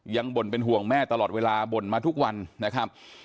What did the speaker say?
บ่นเป็นห่วงแม่ตลอดเวลาบ่นมาทุกวันนะครับ